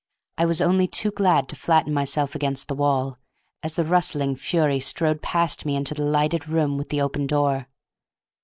I was only too glad to flatten myself against the wall, as the rustling fury strode past me into the lighted room with the open door.